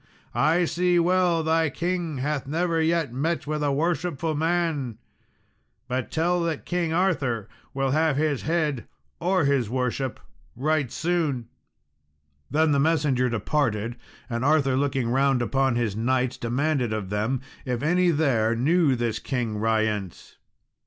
I see well thy king hath never yet met with a worshipful man; but tell that King Arthur will have his head or his worship right soon." Then the messenger departed, and Arthur, looking round upon his knights, demanded of them if any there knew this King Ryence.